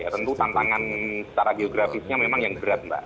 tentu tantangan secara geografisnya memang yang berat mbak